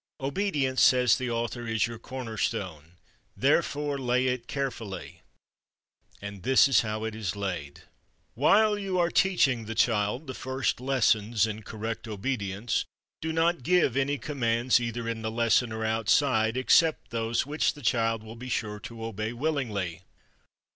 Obedience, says the author, "is your corner stone. Therefore lay it carefully." And this is how it is laid: "_While you are teaching the child the first lessons in correct obedience, do not give any commands either in the lesson or outside except those which the child will be sure to obey willingly.